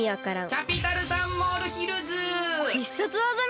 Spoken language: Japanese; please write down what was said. キャピタルサンモールヒルズ！